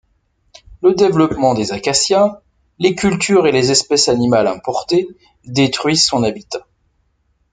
Le développement des acacias, les cultures et les espèces animales importées détruisent son habitat.